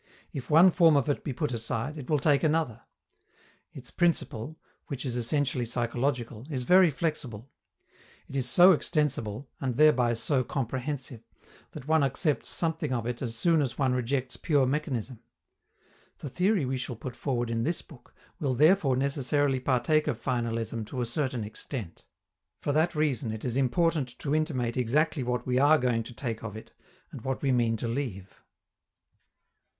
If one form of it be put aside, it will take another. Its principle, which is essentially psychological, is very flexible. It is so extensible, and thereby so comprehensive, that one accepts something of it as soon as one rejects pure mechanism. The theory we shall put forward in this book will therefore necessarily partake of finalism to a certain extent. For that reason it is important to intimate exactly what we are going to take of it, and what we mean to leave.